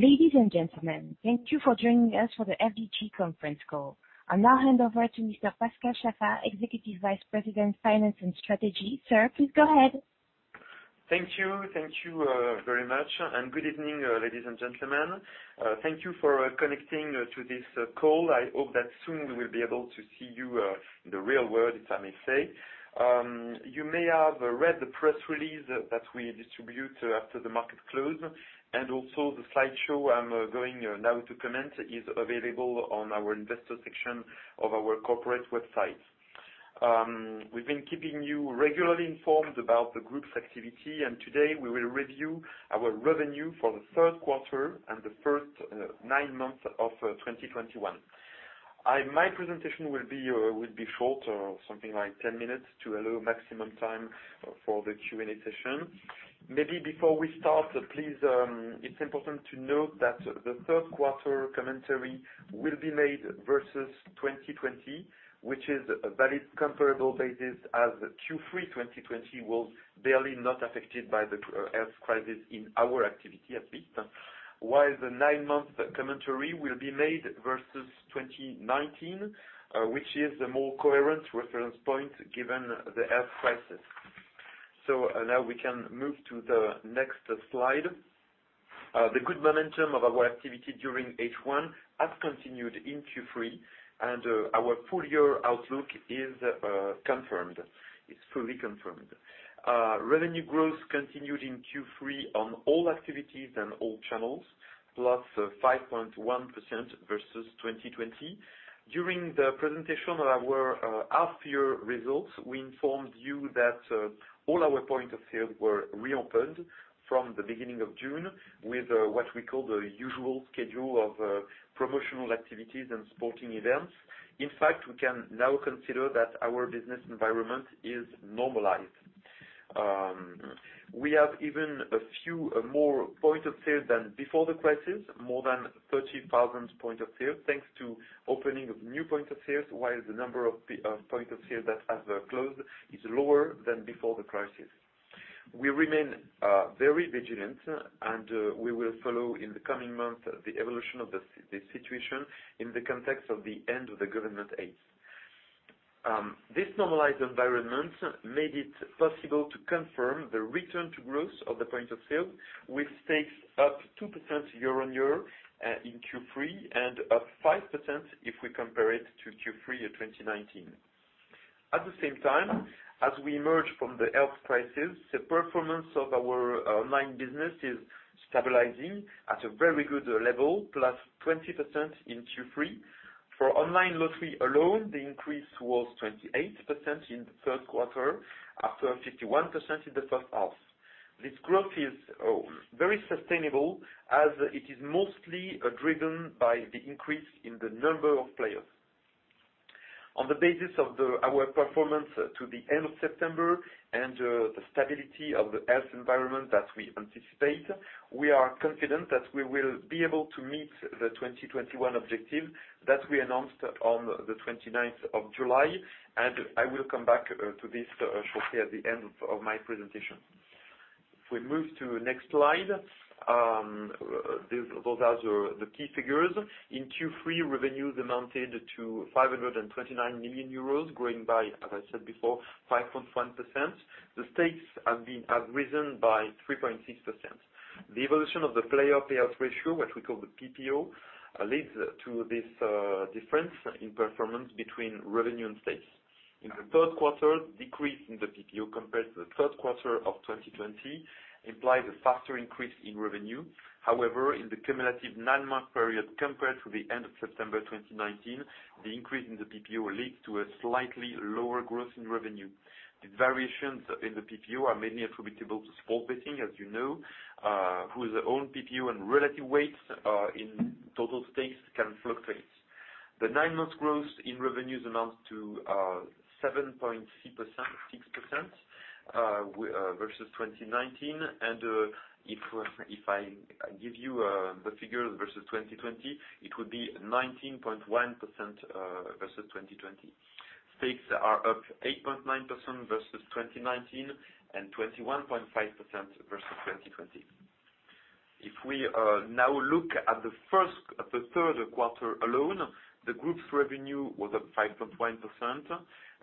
Ladies and gentlemen, thank you for joining us for the FDJ conference call. I'll now hand over to Mr. Pascal Chaffard, Executive Vice President, Finance and Strategy. Sir, please go ahead. Thank you. Thank you very much, and good evening, ladies and gentlemen. Thank you for connecting to this call. I hope that soon we will be able to see you in the real world, if I may say. You may have read the press release that we distribute after the market close, and also the slideshow I'm going now to comment is available on our investor section of our corporate website. We've been keeping you regularly informed about the group's activity, and today we will review our revenue for the third quarter and the first nine months of 2021. My presentation will be short, something like 10 minutes, to allow maximum time for the Q&A session. The third quarter commentary will be made versus 2020, which is a valid comparable basis as Q3 2020 was barely not affected by the health crisis in our activity, at least. The nine month commentary will be made versus 2019, which is the more coherent reference point given the health crisis. Now we can move to the next slide. The good momentum of our activity during H1 has continued in Q3. Our full-year outlook is confirmed. It is fully confirmed. Revenue growth continued in Q3 on all activities and all channels, plus 5.1% versus 2020. During the presentation of our half-year results, we informed you that all our point of sale were reopened from the beginning of June with what we call the usual schedule of promotional activities and sporting events. In fact, we can now consider that our business environment is normalized. We have even a few more point of sale than before the crisis, more than 30,000 point of sale, thanks to opening of new point of sales, while the number of point of sale that have closed is lower than before the crisis. We remain very vigilant, and we will follow in the coming months the evolution of the situation in the context of the end of the government aids. This normalized environment made it possible to confirm the return to growth of the point of sale, with stakes up 2% year-on-year in Q3, and up 5% if we compare it to Q3 of 2019. At the same time, as we emerge from the health crisis, the performance of our online business is stabilizing at a very good level, +20% in Q3. For online lottery alone, the increase was 28% in the third quarter after 51% in the first half. This growth is very sustainable as it is mostly driven by the increase in the number of players. On the basis of our performance to the end of September and the stability of the health environment that we anticipate, we are confident that we will be able to meet the 2021 objective that we announced on the 29th of July. I will come back to this shortly at the end of my presentation. If we move to the next slide. Those are the key figures. In Q3, revenue amounted to 529 million euros, growing by, as I said before, 5.1%. The stakes have risen by 3.6%. The evolution of the player payout ratio, which we call the PPO, leads to this difference in performance between revenue and stakes. In the third quarter, decrease in the PPO compared to the third quarter of 2020 implies a faster increase in revenue. In the cumulative nine-month period compared to the end of September 2019, the increase in the PPO leads to a slightly lower growth in revenue. The variations in the PPO are mainly attributable to sports betting, as you know, whose own PPO and relative weights in total stakes can fluctuate. The nine-month growth in revenues amounts to 7.6% versus 2019. If I give you the figures versus 2020, it would be 19.1% versus 2020. Stakes are up 8.9% versus 2019 and 21.5% versus 2020. If we now look at the third quarter alone, the group's revenue was up 5.1%,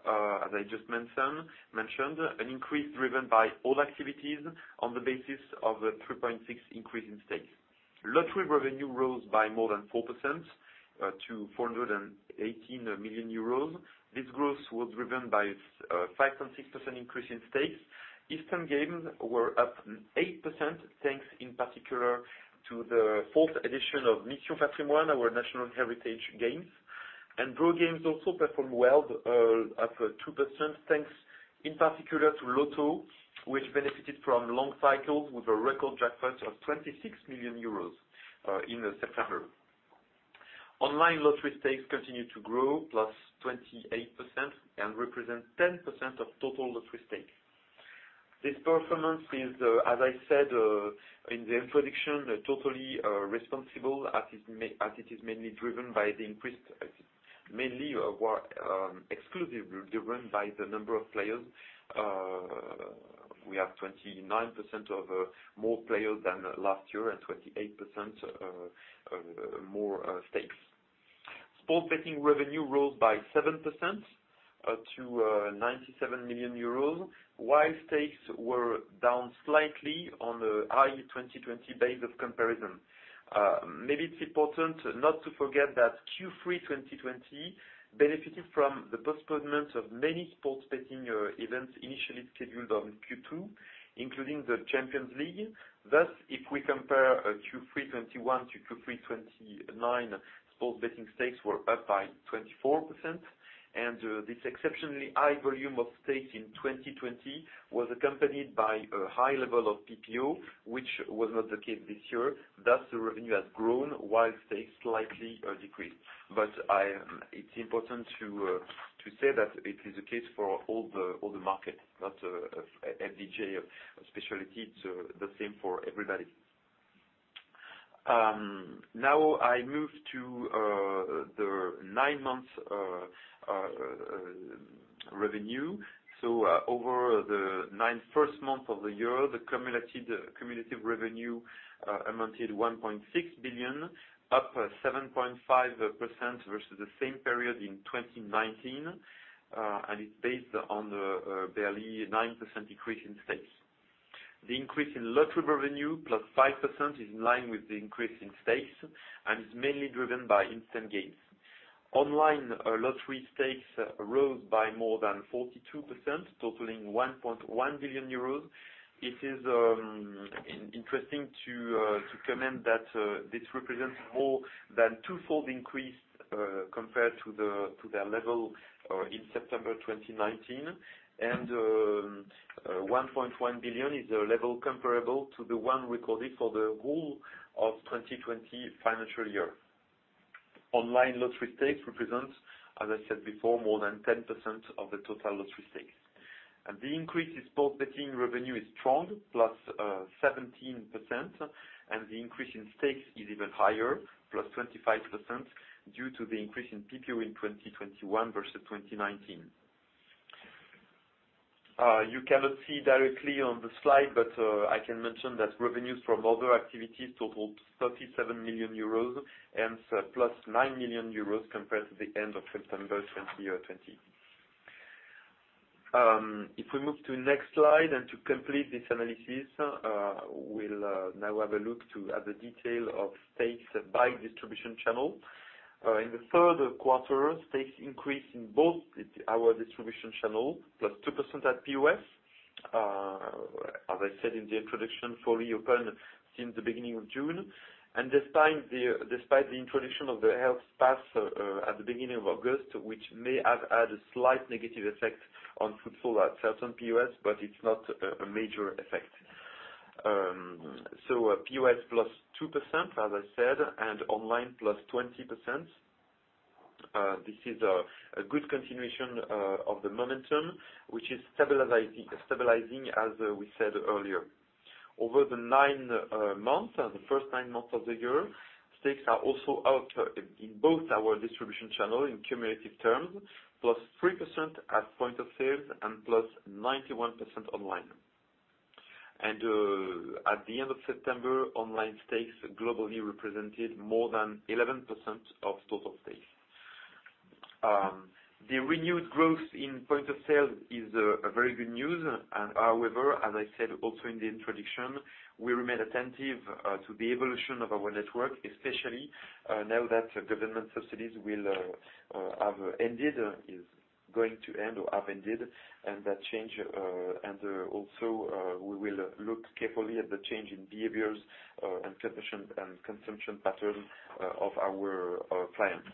as I just mentioned. An increase driven by all activities on the basis of a 3.6% increase in stakes. Lottery revenue rose by more than 4%, to 418 million euros. This growth was driven by a 5.6% increase in stakes. Instant games were up 8%, thanks in particular to the fourth edition of Mission Patrimoine, our national heritage games. Draw games also performed well, up 2%, thanks in particular to Loto, which benefited from long cycles with a record jackpot of 26 million euros in September. Online lottery stakes continue to grow, +28%, and represent 10% of total lottery stakes. This performance is, as I said in the introduction, totally responsible as it is mainly were exclusively driven by the number of players. We have 29% of more players than last year and 28% more stakes. Sports betting revenue rose by 7% to 97 million euros. While stakes were down slightly on a high 2020 base of comparison. It's important not to forget that Q3 2020 benefited from the postponement of many sports betting events initially scheduled on Q2, including the Champions League. If we compare Q3 2021 to Q3 2020, sports betting stakes were up by 24%. This exceptionally high volume of stakes in 2020 was accompanied by a high level of PPO, which was not the case this year. The revenue has grown while stakes slightly decreased. It's important to say that it is the case for all the market, not FDJ specialty. It's the same for everybody. I move to the nine months revenue. Over the first month of the year, the cumulative revenue amounted to 1.6 billion, up 7.5% versus the same period in 2019. It's based on barely 9% decrease in stakes. The increase in lottery revenue, +5%, is in line with the increase in stakes and is mainly driven by instant games. Online lottery stakes rose by more than 42%, totaling 1.1 billion euros. It is interesting to comment that this represents more than twofold increase, compared to their level in September 2019. 1.1 billion is a level comparable to the one recorded for the whole of 2020 financial year. Online lottery stakes represents, as I said before, more than 10% of the total lottery stakes. The increase in sports betting revenue is strong, +17%, and the increase in stakes is even higher, +25%, due to the increase in PPO in 2021 versus 2019. You cannot see directly on the slide, but I can mention that revenues from other activities totaled 37 million euros and plus 9 million euros compared to the end of September 2020. If we move to next slide and to complete this analysis, we'll now have a look at the detail of stakes by distribution channel. In the third quarter, stakes increased in both our distribution channel, +2% at POS. As I said in the introduction, fully open since the beginning of June. Despite the introduction of the health pass at the beginning of August, which may have had a slight negative effect on footfall at certain POS, but it's not a major effect. POS +2%, as I said, online +20%. This is a good continuation of the momentum, which is stabilizing, as we said earlier. Over the nine months, the first nine months of the year, stakes are also up in both our distribution channel in cumulative terms, +3% at point of sale and +91% online. At the end of September, online stakes globally represented more than 11% of total stakes. The renewed growth in point of sale is a very good news. However, as I said also in the introduction, we remain attentive to the evolution of our network, especially now that government subsidies will have ended, is going to end or have ended, and that change. Also we will look carefully at the change in behaviors and consumption pattern of our clients.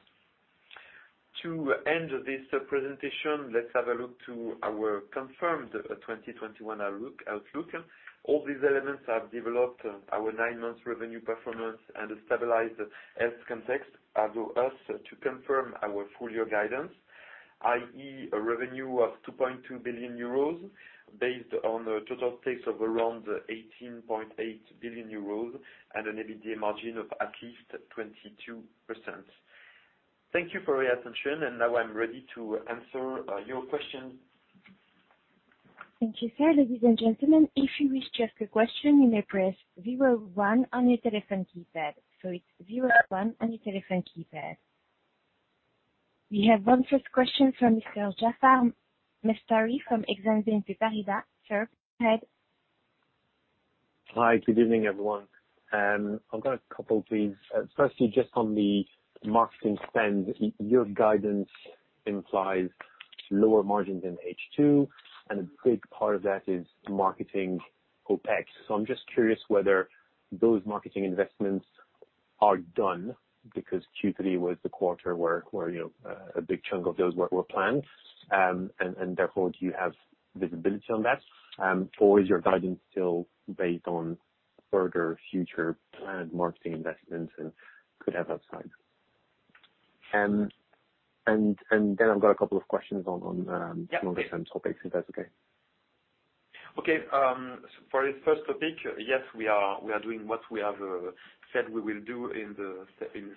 To end this presentation, let's have a look to our confirmed 2021 outlook. All these elements have developed our nine months revenue performance and a stabilized health context allow us to confirm our full-year guidance, i.e. a revenue of 2.2 billion euros based on a total stakes of around 18.8 billion euros and an EBITDA margin of at least 22%. Thank you for your attention, and now I'm ready to answer your question. Thank you, sir. Ladies and gentlemen, if you wish to ask a question you may press 01 on your telephone keypad. It's zero one on your telephone keypad. We have 1 first question from Mr. Jaafar Mestari from Exane BNP Paribas. Sir, go ahead. Hi. Good evening, everyone. I've got a couple, please. Firstly, just on the marketing spend, your guidance implies lower margins in H2, and a big part of that is marketing OpEx. I'm just curious whether those marketing investments are done because Q3 was the quarter where a big chunk of those were planned, and therefore do you have visibility on that? Is your guidance still based on further future planned marketing investments and could have upside? I've got a couple of questions on long-term topics, if that's okay. Okay. For the first topic, yes, we are doing what we have said we will do in the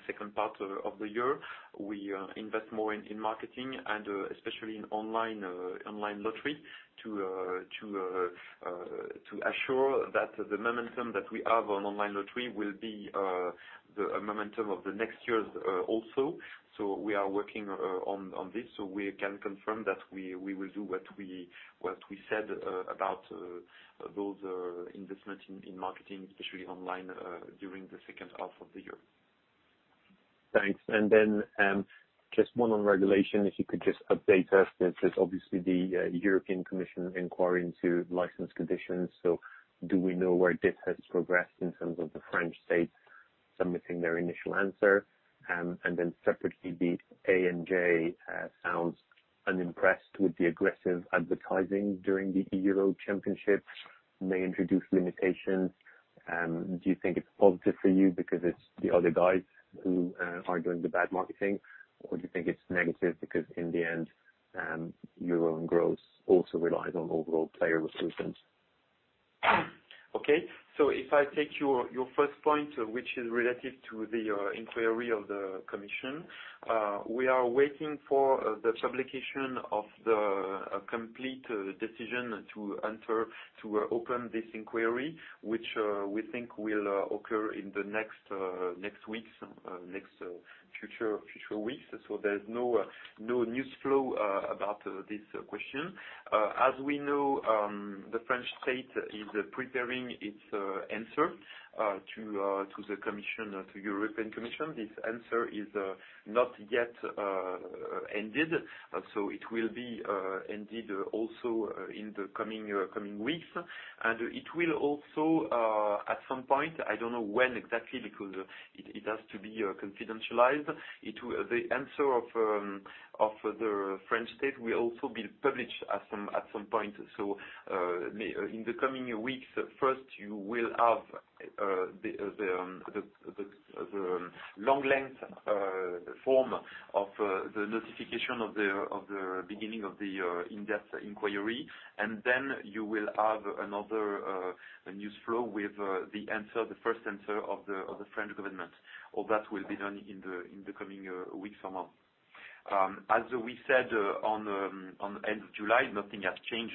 second part of the year. We invest more in marketing and especially in online lottery to assure that the momentum that we have on online lottery will be the momentum of the next years also. We are working on this, we can confirm that we will do what we said about those investments in marketing, especially online, during the second half of the year. Thanks. Just one on regulation, if you could just update us. There's obviously the European Commission inquiry into license conditions. Do we know where this has progressed in terms of the French state submitting their initial answer? Separately, the ANJ sounds unimpressed with the aggressive advertising during the Euro championships, may introduce limitations. Do you think it's positive for you because it's the other guys who are doing the bad marketing? Do you think it's negative because in the end, your own growth also relies on overall player recruitment? Okay. If I take your first point, which is related to the inquiry of the Commission. We are waiting for the publication of the complete decision to open this inquiry, which we think will occur in the next future weeks. There is no news flow about this question. As we know, the French state is preparing its answer to the European Commission. This answer is not yet ended. It will be ended also in the coming weeks. It will also, at some point, I don't know when exactly, because it has to be confidentialized. The answer of the French state will also be published at some point. In the coming weeks, first, you will have the long length form of the notification of the beginning of the in-depth inquiry, and then you will have another news flow with the first answer of the French government. All that will be done in the coming weeks or months. As we said on the end of July, nothing has changed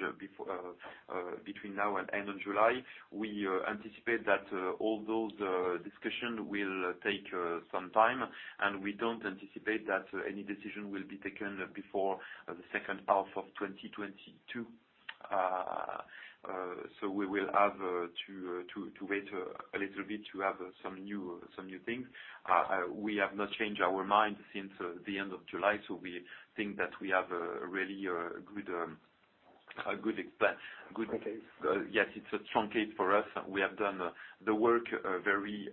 between now and end of July. We anticipate that all those discussions will take some time, and we don't anticipate that any decision will be taken before the second half of 2022. We will have to wait a little bit to have some new things. We have not changed our mind since the end of July, so we think that we have a really good. Strong case. Yes, it's a strong case for us. We have done the work very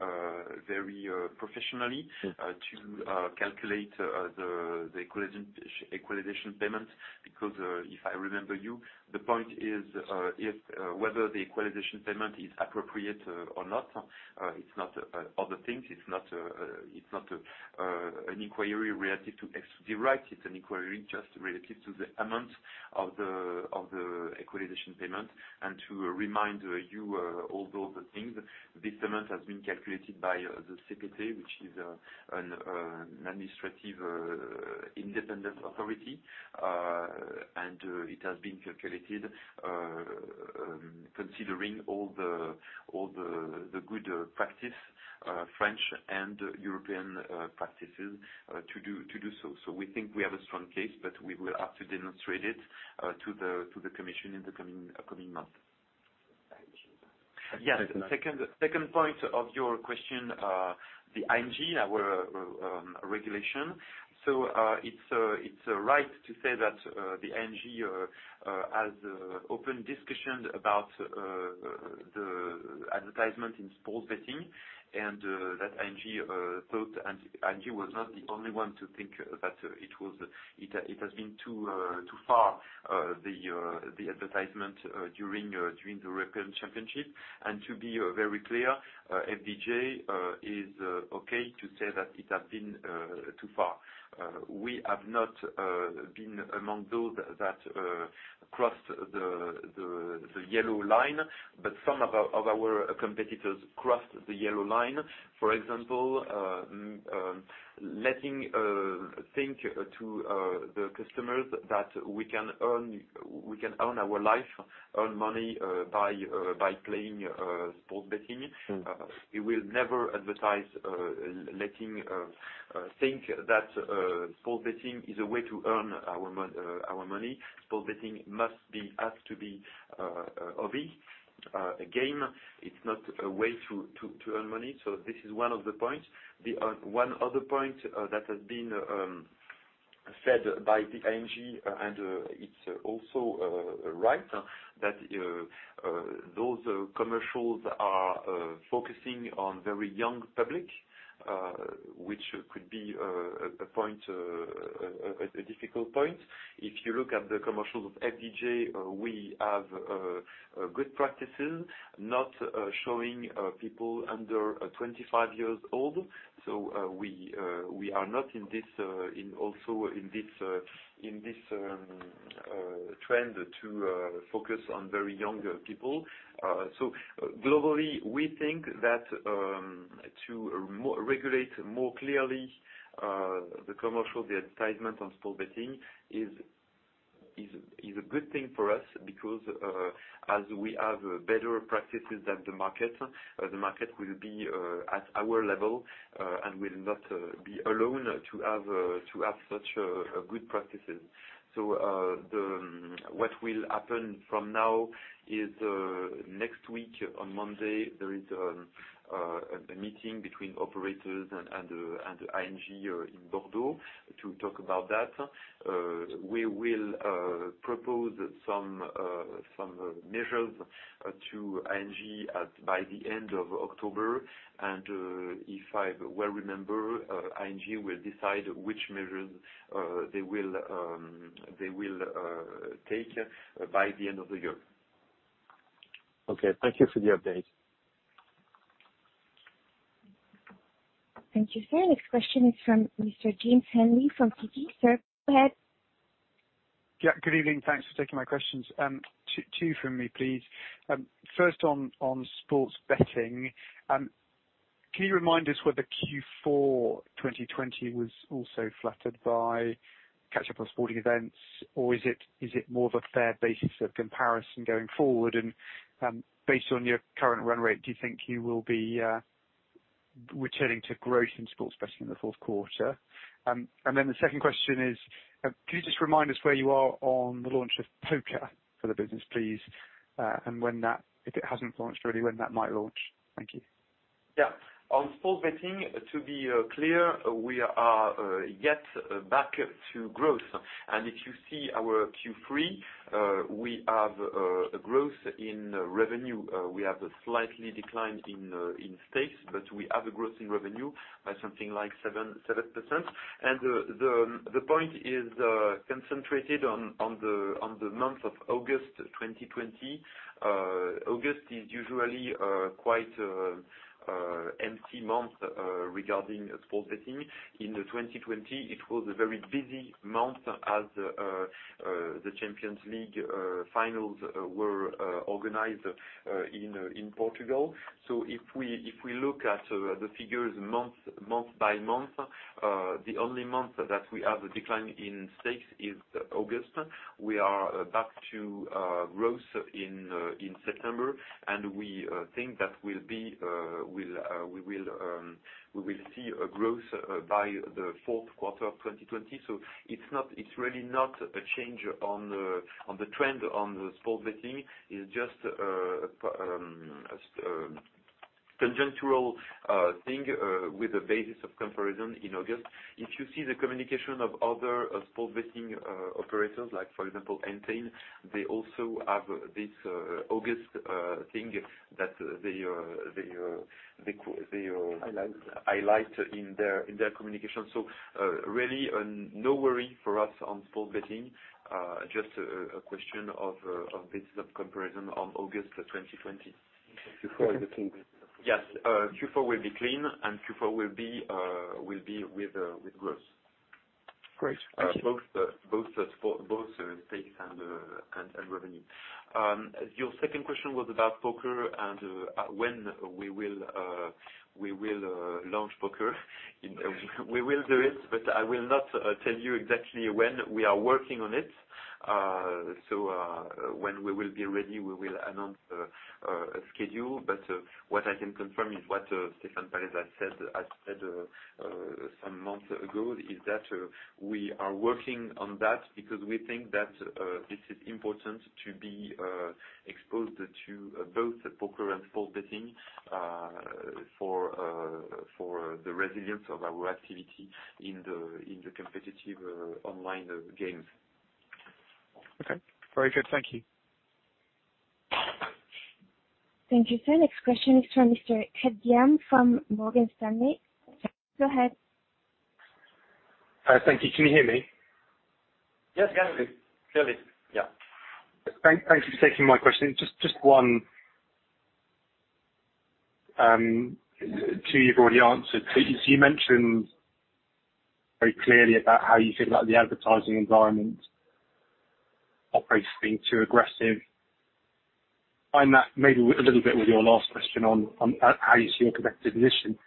professionally to calculate the equalization payment. If I remember you, the point is whether the equalization payment is appropriate or not. It's not other things. It's not an inquiry related to X to the right. It's an inquiry just related to the amount of the equalization payment. To remind you all those things, this amount has been calculated by the CPT, which is an administrative independent authority. It has been calculated considering all the good practice, French and European practices to do so. We think we have a strong case, but we will have to demonstrate it to the Commission in the coming months. Thank you. Yes. Second point of your question. The ANJ, our regulation. It's right to say that the ANJ has open discussions about the advertisement in sports betting, and that ANJ was not the only one to think that it has been too far, the advertisement during the European Championship. To be very clear, FDJ is okay to say that it has been too far. We have not been among those that crossed the yellow line, but some of our competitors crossed the yellow line. For example, letting think to the customers that we can earn our life, earn money by playing sports betting. We will never advertise letting think that sports betting is a way to earn our money. Sports betting must be asked to be a hobby, a game. It's not a way to earn money. This is one of the points. One other point that has been said by the ANJ, and it's also right, that those commercials are focusing on very young public, which could be a difficult point. If you look at the commercials of FDJ, we have good practices, not showing people under 25 years old. We are not also in this trend to focus on very young people. Globally, we think that to regulate more clearly the commercial, the advertisement on sports betting is a good thing for us because as we have better practices than the market, the market will be at our level, and will not be alone to have such good practices. What will happen from now is, next week on Monday, there is a meeting between operators and ANJ in Bordeaux to talk about that. We will propose some measures to ANJ by the end of October. If I well remember, ANJ will decide which measures they will take by the end of the year. Okay. Thank you for the update. Thank you, sir. Next question is from Mr. James Henry from TD. Sir, go ahead. Good evening. Thanks for taking my questions. Two from me, please. First, on sports betting, can you remind us whether Q4 2020 was also flattered by catch-up on sporting events, or is it more of a fair basis of comparison going forward? Based on your current run rate, do you think you will be returning to growth in sports betting in the fourth quarter? The second question is, can you just remind us where you are on the launch of poker for the business, please? If it hasn't launched already, when that might launch? Thank you. Yeah. On sports betting, to be clear, we are yet back to growth. If you see our Q3, we have a growth in revenue. We have a slight decline in stakes, but we have a growth in revenue by something like 7%. The point is concentrated on the month of August 2020. August is usually quite empty month regarding sports betting. In 2020, it was a very busy month as the Champions League finals were organized in Portugal. If we look at the figures month by month, the only month that we have a decline in stakes is August. We are back to growth in September, and we think that we will see a growth by the fourth quarter of 2020. It's really not a change on the trend on the sports betting. It's just a conjunctural thing with the basis of comparison in August. If you see the communication of other sports betting operators like, for example, Entain, they also have this August thing. Highlight in their communication. Really no worry for us on sports betting, just a question of basis of comparison on August 2020. Q4 will be clean. Yes. Q4 will be clean, and Q4 will be with growth. Great. Thank you. Both stakes and revenue. Your second question was about poker and when we will launch poker. We will do it, but I will not tell you exactly when. We are working on it. When we will be ready, we will announce a schedule. What I can confirm is what Stéphane Pallez has said some months ago, is that we are working on that because we think that this is important to be exposed to both poker and sports betting for the resilience of our activity in the competitive online games. Okay. Very good. Thank you. Thank you, sir. Next question is from Mr. Ed Young from Morgan Stanley. Go ahead. Thank you. Can you hear me? Yes, clearly. Thank you for taking my question. Just one. Two you've already answered. You mentioned very clearly about how you feel about the advertising environment operators being too aggressive. Combine that maybe a little bit with your last question on how you see your competitive position.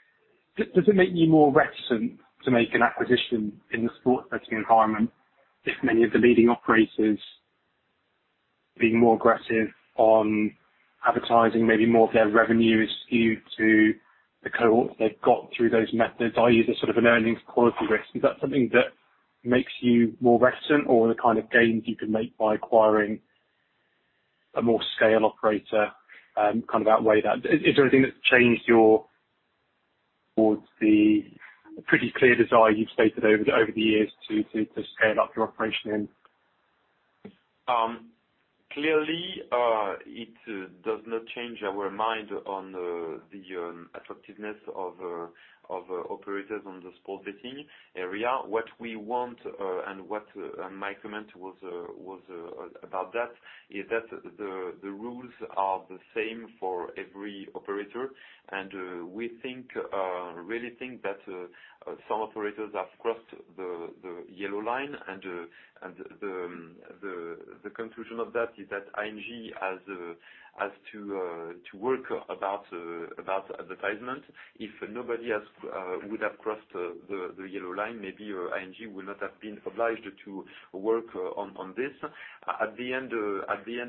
Does it make you more reticent to make an acquisition in the sports betting environment if many of the leading operators being more aggressive on advertising, maybe more of their revenue is skewed to the cohorts they've got through those methods? Are you the sort of an earnings quality risk? Is that something that makes you more reticent, or the kind of gains you can make by acquiring a more scale operator kind of outweigh that? Is there anything that's changed towards the pretty clear desire you've stated over the years to scale up your operation in. Clearly, it does not change our mind on the attractiveness of operators on the sports betting area. What we want, and my comment was about that, is that the rules are the same for every operator. We really think that some operators have crossed the yellow line, and the conclusion of that is that ANJ has to work about advertisement. If nobody else would have crossed the yellow line, maybe ANJ would not have been obliged to work on this. At the end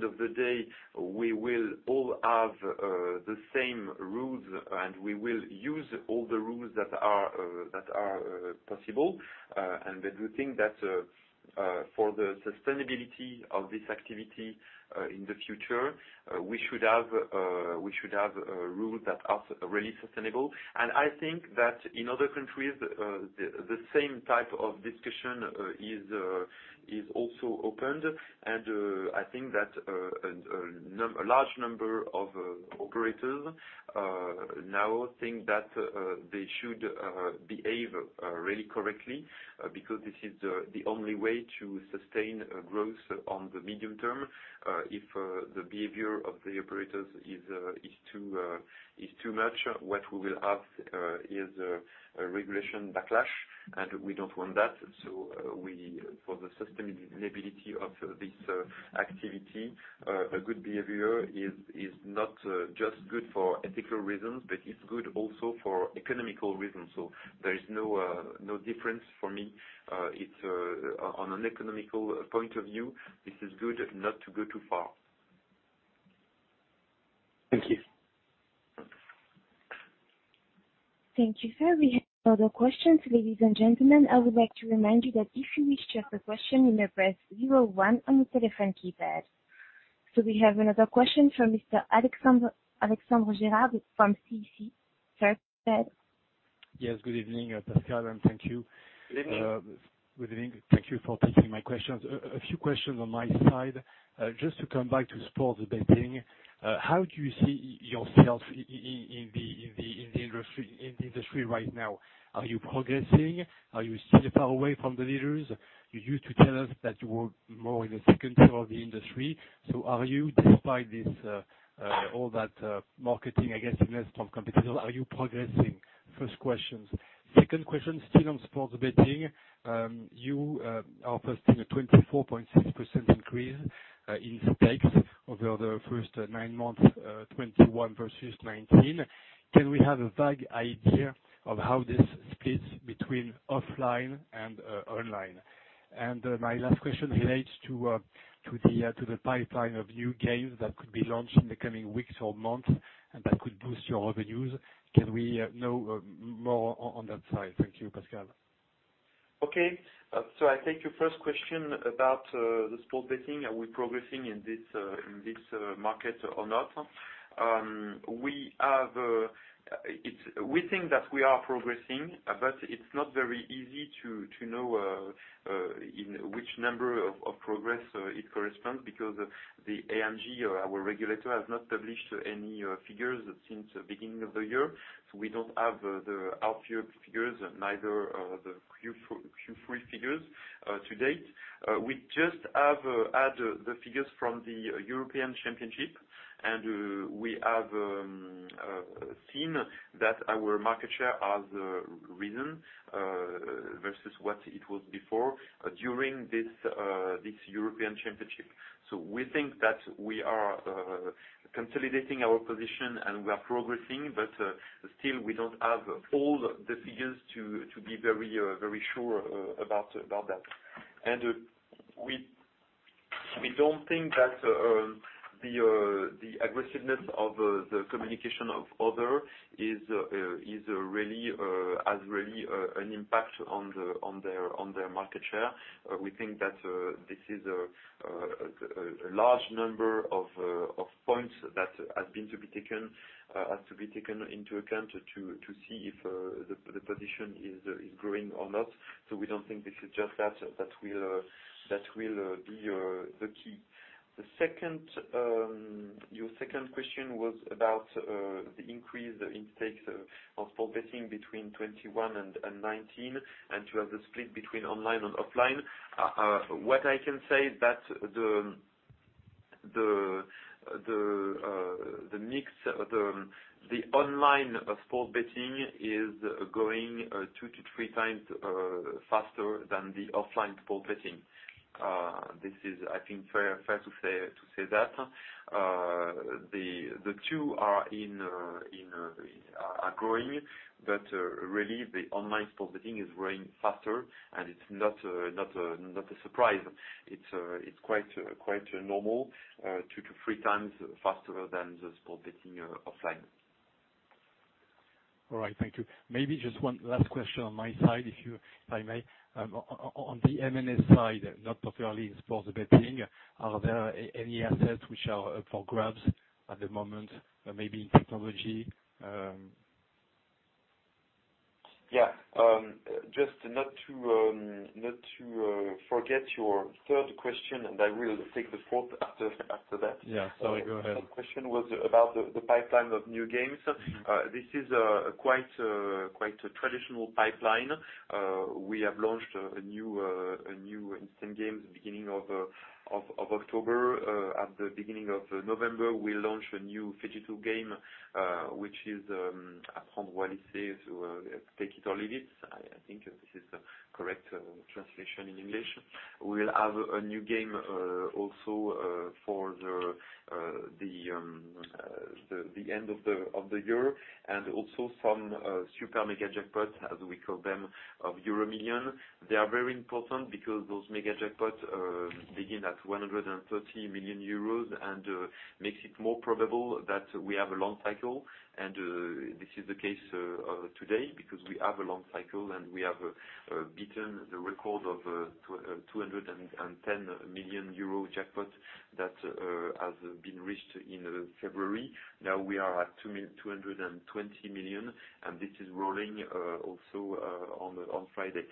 of the day, we will all have the same rules, and we will use all the rules that are possible. We do think that for the sustainability of this activity in the future, we should have rules that are really sustainable. I think that in other countries, the same type of discussion is also opened. I think that a large number of operators now think that they should behave really correctly, because this is the only way to sustain growth on the medium term. If the behavior of the operators is too much, what we will have is a regulation backlash, and we don't want that. For the sustainability of this activity, a good behavior is not just good for ethical reasons, but it's good also for economical reasons. There is no difference for me. On an economical point of view, this is good not to go too far. Thank you. Thank you, sir. We have no other questions. Ladies and gentlemen, I would like to remind you that if you wish to ask a question, you may press 01 on the telephone keypad. We have another question from Mr. Alexandre Gérard from CIC. Sir, go ahead. Yes, good evening, Pascal, and thank you. Good evening. Good evening. Thank you for taking my questions. A few questions on my side. Just to come back to sports betting, how do you see yourself in the industry right now? Are you progressing? Are you still far away from the leaders? You used to tell us that you were more in the second tier of the industry. Are you, despite all that marketing aggressiveness from competitors, are you progressing? First question. Second question, still on sports betting, you are posting a 24.6% increase in stakes over the first 9 months, 2021 versus 2019. Can we have a vague idea of how this splits between offline and online? My last question relates to the pipeline of new games that could be launched in the coming weeks or months and that could boost your revenues. Can we know more on that side? Thank you, Pascal. I take your first question about the sports betting. Are we progressing in this market or not? We think that we are progressing, but it's not very easy to know in which number of progress it corresponds, because the ANJ, our regulator, has not published any figures since the beginning of the year. We don't have the half year figures, neither the Q3 figures to date. We just have had the figures from the European Championship, and we have seen that our market share has risen versus what it was before during this European Championship. We think that we are consolidating our position and we are progressing, but still, we don't have all the figures to be very sure about that. We don't think that the aggressiveness of the communication of other has really an impact on their market share. We think that this is a large number of points that has to be taken into account to see if the position is growing or not. We don't think this is just that that will be the key. Your second question was about the increase in stakes of sports betting between 2021 and 2019, and to have the split between online and offline. What I can say is that the online sports betting is growing two to three times faster than the offline sports betting. This is, I think, fair to say that. The two are growing, but really the online sports betting is growing faster, and it's not a surprise. It's quite normal, two to three times faster than the sports betting offline. All right, thank you. Maybe just one last question on my side, if I may. On the M&A side, not particularly in sports betting, are there any assets which are up for grabs at the moment, maybe in technology? Yeah. Just not to forget your third question, and I will take the fourth after that. Yeah. Sorry, go ahead. The question was about the pipeline of new games. This is quite a traditional pipeline. We have launched a new instant game at the beginning of October. At the beginning of November, we launched a new FDJ game, which is, Take It or Leave It. I think this is the correct translation in English. We'll have a new game also for the end of the year and also some super mega jackpot, as we call them, of EuroMillions. They are very important because those mega jackpots begin at 130 million euros and makes it more probable that we have a long cycle. This is the case today because we have a long cycle, and we have beaten the record of a 210 million euro jackpot that has been reached in February. Now we are at 220 million, and this is rolling also on Friday.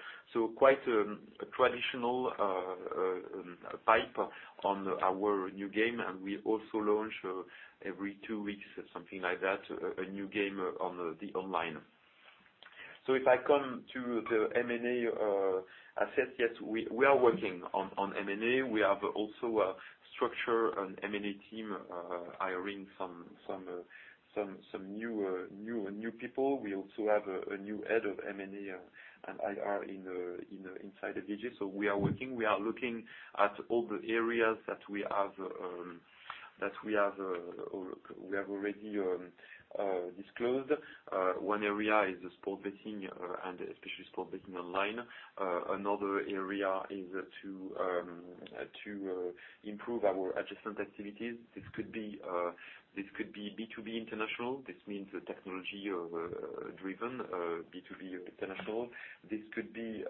Quite a traditional pipe on our new game, and we also launch every two weeks, something like that, a new game on the online. If I come to the M&A assets, yes, we are working on M&A. We have also structure an M&A team, hiring some new people. We also have a new head of M&A and IR inside of FDJ. We are working, we are looking at all the areas that we have already disclosed. One area is the sports betting and especially sports betting online. Another area is to improve our adjacent activities. This could be B2B international. This means technology-driven B2B international. This could be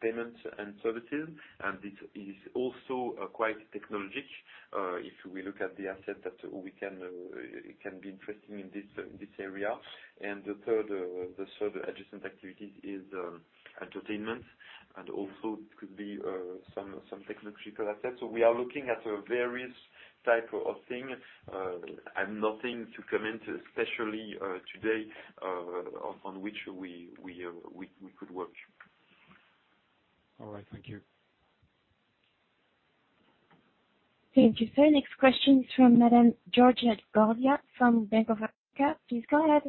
payments and services, and this is also quite technologic, if we look at the asset that can be interesting in this area. The third adjacent activity is entertainment, and also it could be some technological assets. We are looking at various type of thing. I've nothing to comment, especially today, on which we could work. All right. Thank you. Thank you, sir. Next question is from Madame Giorgietta Gorgia from Bank of America. Please go ahead.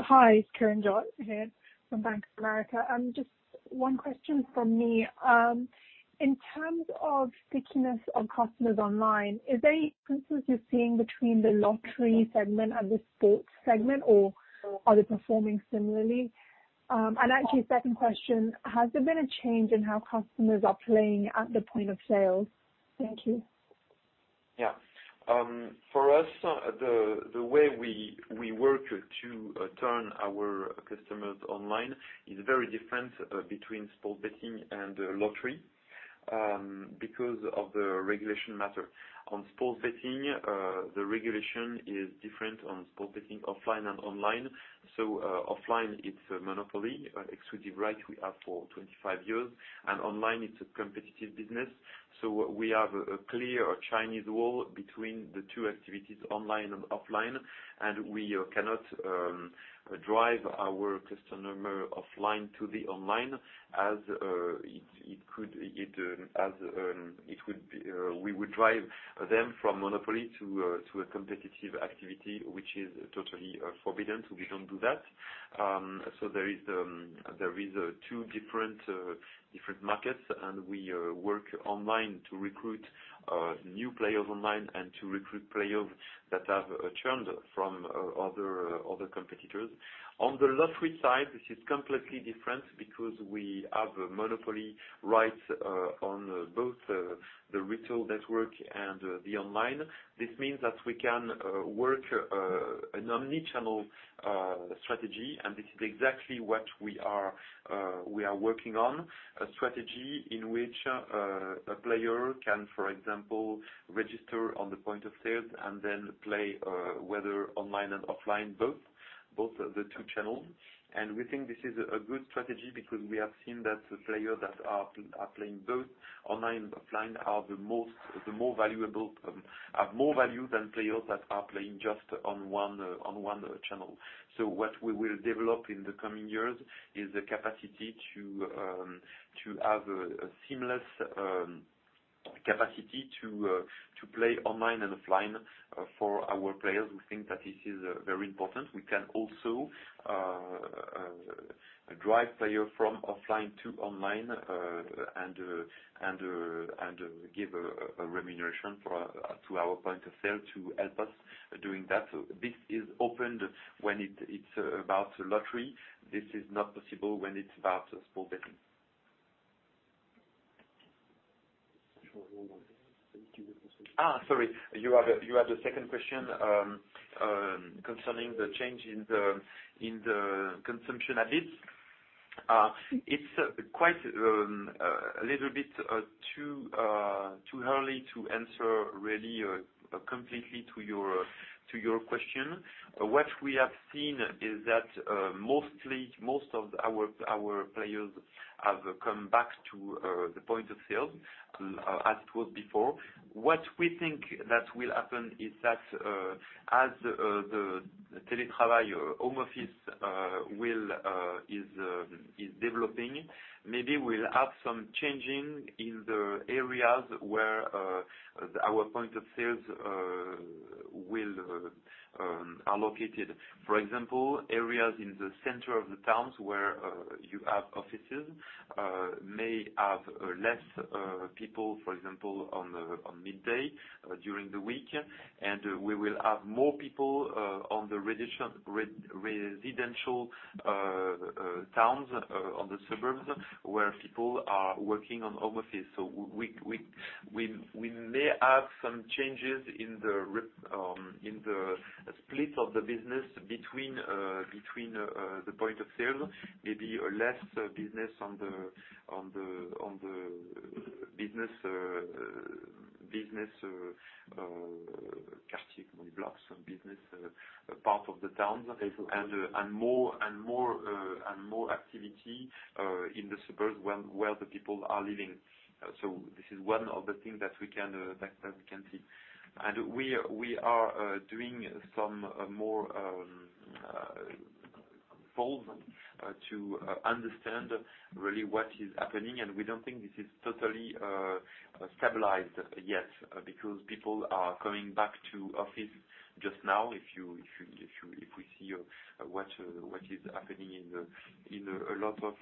Hi, it's Kiranjot here from Bank of America. Just one question from me. In terms of stickiness of customers online, is there any differences you're seeing between the lottery segment and the sports segment, or are they performing similarly? Actually, second question, has there been a change in how customers are playing at the point of sale? Thank you. Yeah. For us, the way we work to turn our customers online is very different between sports betting and lottery because of the regulation matter. On sports betting, the regulation is different on sports betting offline and online. Offline, it's a monopoly, an exclusive right we have for 25 years, and online it's a competitive business. We have a clear Chinese wall between the two activities, online and offline, and we cannot drive our customer offline to the online as we would drive them from monopoly to a competitive activity, which is totally forbidden. We don't do that. There is two different markets, and we work online to recruit new players online and to recruit players that have churned from other competitors. On the lottery side, this is completely different because we have monopoly rights on both the retail network and the online. This means that we can work an omnichannel strategy. This is exactly what we are working on. A strategy in which a player can, for example, register on the point of sale and then play whether online and offline, both the two channels. We think this is a good strategy because we have seen that players that are playing both online and offline have more value than players that are playing just on one channel. What we will develop in the coming years is the capacity to have a seamless capacity to play online and offline for our players. We think that this is very important. We can also drive player from offline to online, and give a remuneration to our point of sale to help us doing that. This is opened when it's about lottery. This is not possible when it's about sports betting. Sorry, you had a second question concerning the change in the consumption habits. It's quite a little bit too early to answer really completely to your question. What we have seen is that most of our players have come back to the point of sale as it was before. What we think that will happen is that, as the tele travail, home office, is developing, maybe we'll have some changing in the areas where our point of sales are located. For example, areas in the center of the towns where you have offices may have less people, for example, on midday during the week, and we will have more people on the residential towns, on the suburbs, where people are working on home office. We may have some changes in the split of the business between the point of sale, maybe less business on the business part of the towns, and more activity in the suburbs where the people are living. This is one of the things that we can see. We are doing some more polls to understand really what is happening, and we don't think this is totally stabilized yet, because people are coming back to office just now. If we see what is happening in a lot of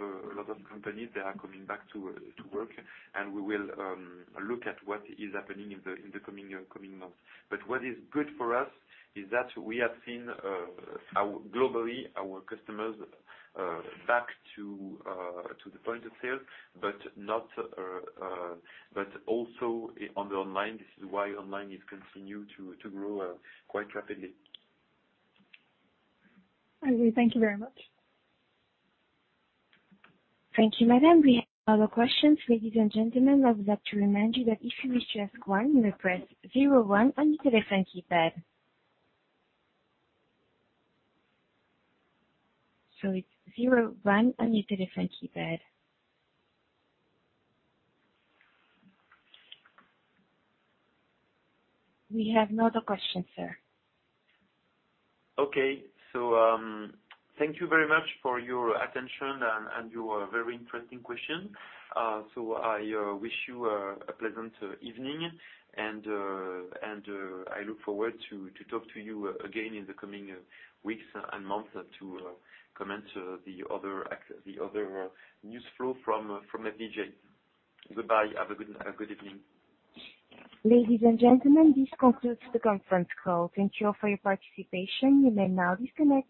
companies, they are coming back to work, and we will look at what is happening in the coming months. What is good for us is that we have seen, globally, our customers back to the point of sale, but also on the online. This is why online is continue to grow quite rapidly. Okay. Thank you very much. Thank you, madam. We have no other questions. Ladies and gentlemen, I would like to remind you that if you wish to ask one, you may press zero one on your telephone keypad. It's zero one on your telephone keypad. We have no other questions, sir. Okay. Thank you very much for your attention and your very interesting question. I wish you a pleasant evening, and I look forward to talk to you again in the coming weeks and months to comment the other news flow from FDJ. Goodbye. Have a good evening. Ladies and gentlemen, this concludes the conference call. Thank you all for your participation. You may now disconnect.